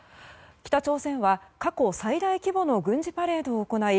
北朝鮮は過去最大規模の軍事パレードを行い